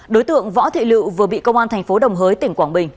đối tượng võ thị lự vừa bị công an thành phố đồng hới tỉnh quảng bình